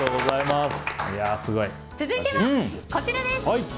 続いてはこちらです！